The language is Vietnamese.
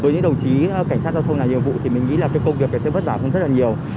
với những đồng chí cảnh sát giao thông làm nhiệm vụ thì mình nghĩ là cái công việc này sẽ vất vả hơn rất là nhiều